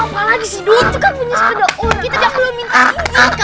apalagi sih dot kan punya sepeda un kita yang belum minta uji